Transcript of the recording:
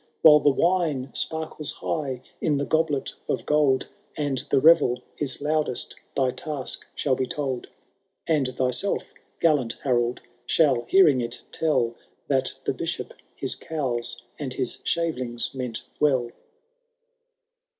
While the wine sparkles high in the goblet of gold. And the revel is loudest, thy task shall be told ; And thyself, gallant Harold, shall, hearing it, tell That the Bishop, his cowls, and his shavelings, meant well."